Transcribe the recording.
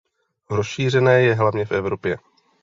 Rozšířené je hlavně v Evropě.